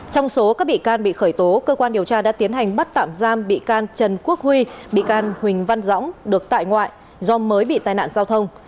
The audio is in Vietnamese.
trong số các bị can bị khởi tố cơ quan điều tra đã tiến hành bắt tạm giam bị can trần quốc huy bị can huỳnh văn dõng được tại ngoại do mới bị tai nạn giao thông